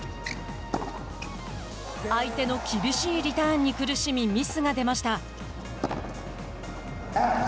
相手の厳しいリターンに苦しみミスが出ました。